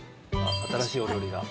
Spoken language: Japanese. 新しいお料理が。